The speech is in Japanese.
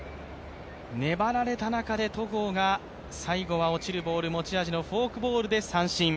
粘られた中で戸郷が最後は落ちるボール持ち味のフォークボールで三振。